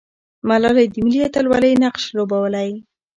ملالۍ د ملي اتلولۍ نقش لوبولی.